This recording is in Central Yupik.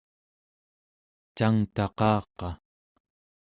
cangtaqaqa